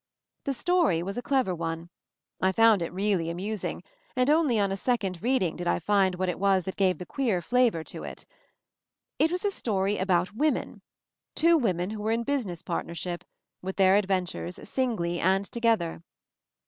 The story was a clever one. I found it really amusing, and only on a second reading did I find what it was that gave the queer flavor to it. It was a story about women — two 24 MOVING THE MOUNTAIN women who were in business partnership, with their adventures, singly and together.